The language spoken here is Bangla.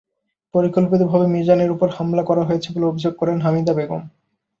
পরিকল্পিতভাবে মিজানের ওপর হামলা করা হয়েছে বলে অভিযোগ করেন হামিদা বেগম।